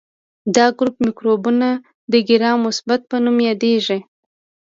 دا ګروپ مکروبونه د ګرام مثبت په نوم یادیږي.